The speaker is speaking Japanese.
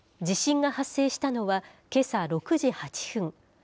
地震が発生したのは、けさ６時８分。